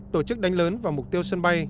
tổ chức đánh lớn vào mục tiêu sân bay